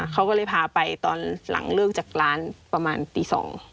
เขาก็เลยพาไปตอนหลังเลิกจากร้านประมาณตี๒